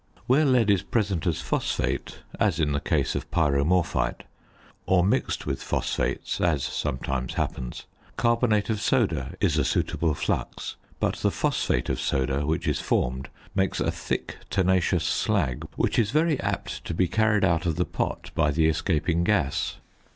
Where lead is present as phosphate (as in the case of pyromorphite), or mixed with phosphates (as sometimes happens), carbonate of soda is a suitable flux; but the phosphate of soda which is formed makes a thick tenacious slag, which is very apt to be carried out of the pot by the escaping gas.